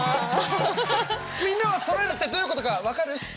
みんなはそろえるってどういうことか分かる？